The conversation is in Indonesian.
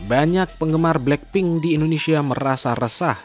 banyak penggemar blackpink di indonesia merasa resah